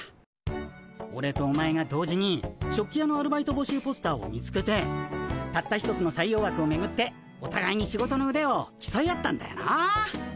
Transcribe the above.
オレとお前が同時に食器屋のアルバイト募集ポスターを見つけてたった一つの採用枠をめぐっておたがいに仕事のうでをきそい合ったんだよなあ。